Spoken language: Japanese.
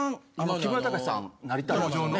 木村拓哉さんなりたいですよね？